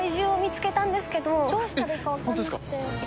どうしたらいいか分かんなくて。